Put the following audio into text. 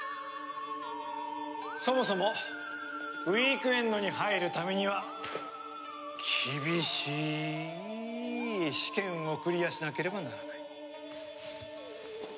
そもそもウィークエンドに入るためには厳しい試験をクリアしなければならない。